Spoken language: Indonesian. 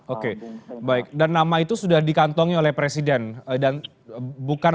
oke baik dan nama itu sudah di kantongnya presiden dan ulasannya cukup ya